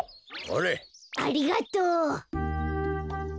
ありがとう。